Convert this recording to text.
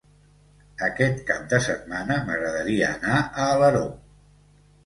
Aquest cap de setmana m'agradaria anar a Alaró.